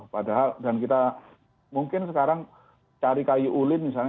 padahal dan kita mungkin sekarang cari kayu ulin misalnya